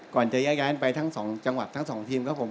ก่อนจะย้ายไปทั้ง๒จังหวัดทั้ง๒ทีมครับผม